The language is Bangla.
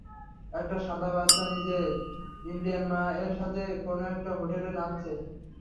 একটা সাদা বাচ্চা নিজের ইন্ডিয়ান মা এর সাথে কোন একটা হোটেলে নাচছে।